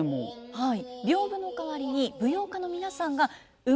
はい。